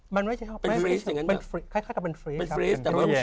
มันไม่ใช่คล้ายกับเป็นฟรีส